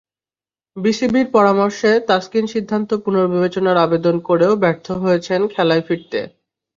বিসিবির পরামর্শে তাসকিন সিদ্ধান্ত পুনর্বিবেচনার আবেদন করেও ব্যর্থ হয়েছেন খেলায় ফিরতে।